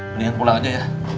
mendingan pulang aja ya